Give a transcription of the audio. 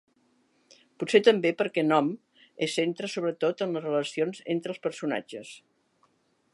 Potser també perquè "nom" es centra sobretot en les relacions entre els personatges.